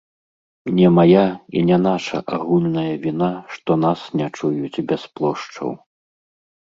Не мая і не наша агульная віна, што нас не чуюць без плошчаў.